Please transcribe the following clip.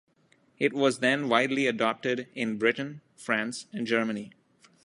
It was then widely adopted in Britain, France and Germany.